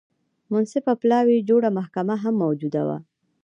منصفه پلاوي جوړه محکمه هم موجوده وه.